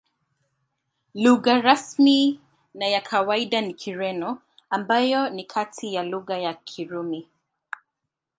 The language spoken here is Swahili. Lugha rasmi na ya kawaida ni Kireno, ambayo ni kati ya lugha za Kirumi.